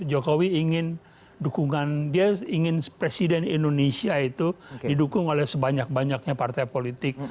jokowi ingin dukungan dia ingin presiden indonesia itu didukung oleh sebanyak banyaknya partai politik